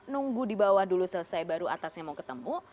nunggu dibawah selesai baru atasnya mau ketemu